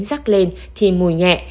rắc lên thì mùi nhẹ